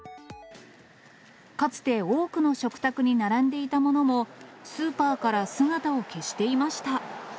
かつて多くの食卓に並んでいたものも、スーパーから姿を消していました。